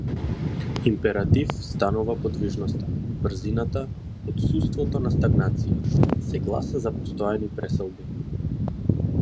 Императив станува подвижноста, брзината, отуството на стагнација, се гласа за постојани преселби.